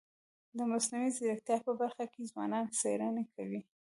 د مصنوعي ځیرکتیا په برخه کي ځوانان څېړني کوي.